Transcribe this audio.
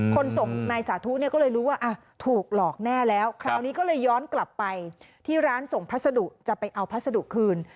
คนส่งนายสาธุเนี่ยก็เลยรู้ว่าถูกหลอกแน่แล้วคราวนี้ก็เลยย้อนกลับไปที่ร้านส่งพัสดุจะไปเอาพัสดุคืน